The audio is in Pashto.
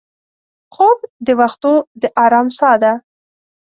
خوب د وختو د ارام سا ده